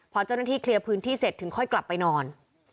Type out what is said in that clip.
พอเจ้าหน้าที่เคลียร์พื้นที่เสร็จถึงค่อยกลับไปนอน